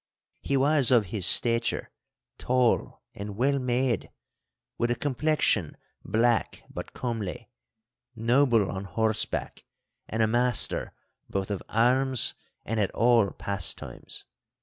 He was of his stature tall and well made, with a complexion black but comely, noble on horseback, and a master both of arms and at all pastimes.